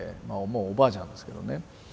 もうおばあちゃんですけどね。